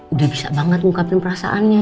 udah bisa banget ngungkapin perasaannya